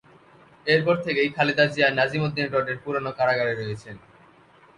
এরপর থেকেই খালেদা জিয়া নাজিমউদ্দীন রোডের পুরোনো কারাগারে রয়েছেন।